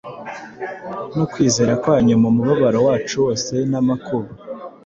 no kwizera kwanyu mu mubabaro wacu wose n’amakuba;